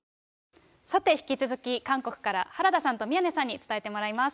さて、引き続き韓国から、原田さんと宮根さんに伝えてもらいます。